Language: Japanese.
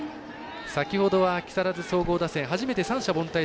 先ほどは、木更津総合打線初めて三者凡退。